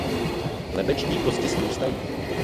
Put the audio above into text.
Lebeční kosti srůstají.